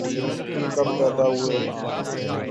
تم کب پیدا ہوئے